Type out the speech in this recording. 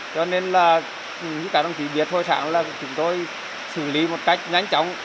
cho nên là